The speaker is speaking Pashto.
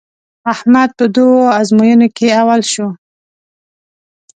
احمد په دوو ازموینو کې اول شو.